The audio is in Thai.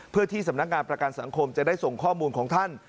เพื่อที่สำนักงานประกันสังคมจะได้ส่งข้อมูลของท่าน